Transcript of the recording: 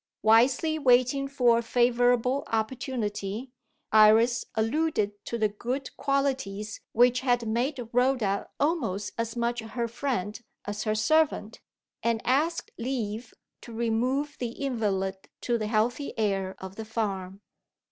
Wisely waiting for a favourable opportunity, Iris alluded to the good qualities which had made Rhoda almost as much her friend as her servant, and asked leave to remove the invalid to the healthy air of the farm.